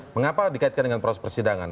mengapa dikaitkan dengan proses persidangan